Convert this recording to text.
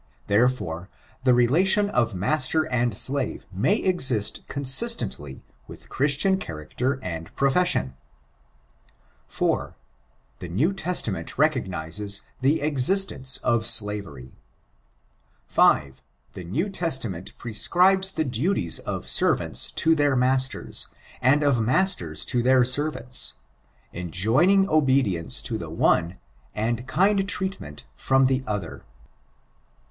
659 ' I Therefore^ the rdcttion of master and slave may exist consistently with Christian character and profession, IV. T/ie New Testament recognizes the existence of slavery. V. The New Testament prescribes the duties of servants to their mcuters, and of masters to their servants; enjoining obedience to the one^ and kind treatment from the other.